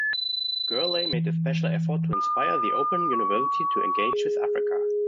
Gourley made a special effort to inspire the Open University to engage with Africa.